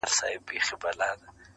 دا روغن په ټول دوکان کي قیمتې وه٫